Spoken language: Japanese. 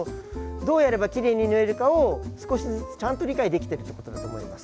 どうやればきれいに縫えるかを少しずつちゃんと理解できてるってことだと思います。